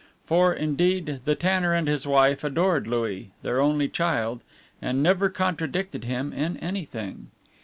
For, indeed, the tanner and his wife adored Louis, their only child, and never contradicted him in anything.